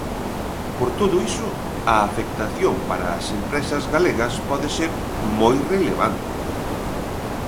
Por todo iso, a afectación para as empresas galegas pode ser "moi relevante".